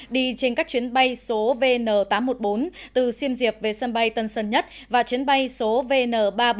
đi trên các chuyến bay số vn tám trăm một mươi bốn từ siêm diệp về sân bay tân sơn nhất và chuyến bay số vn ba trăm bốn mươi